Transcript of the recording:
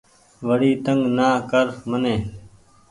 وڙي تنگ نا ڪر مني